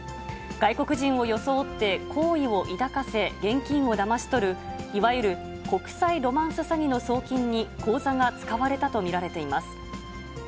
外国人を装って好意を抱かせ、現金をだまし取る、いわゆる国際ロマンス詐欺の送金に、口座が使われたと見られています。